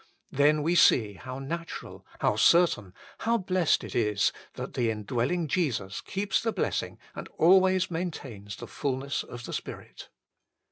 Then we see how natural, how certain, how blessed it is that the indwelling Jesus keeps the blessing and always maintains the fulness of the Spirit.